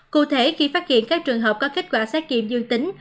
cụ thể khi phát hiện các trường hợp có kết quả xét nghiệm dương tính